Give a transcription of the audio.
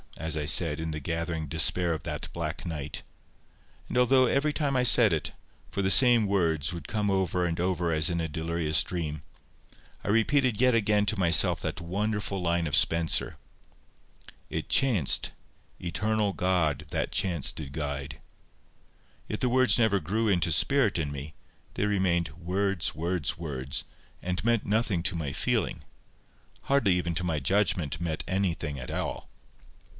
as I said, in the gathering despair of that black night. And although every time I said it—for the same words would come over and over as in a delirious dream—I repeated yet again to myself that wonderful line of Spenser,— "It chanced—eternal God that chance did guide," yet the words never grew into spirit in me; they remained "words, words, words," and meant nothing to my feeling—hardly even to my judgment meant anything at all.